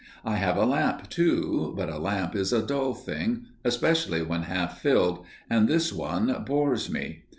I have a lamp, too; but a lamp is a dull thing, especially when half filled, and this one bores me.